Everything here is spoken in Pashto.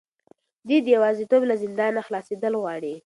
دی د یوازیتوب له زندانه خلاصېدل غواړي.